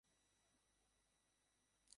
কলকাতার শিল্পীরা এসে মণ্ডপ তৈরি করেন।